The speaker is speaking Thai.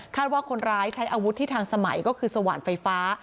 ว่าคนร้ายใช้อาวุธที่ทันสมัยก็คือสว่านไฟฟ้า